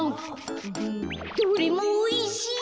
どれもおいしい！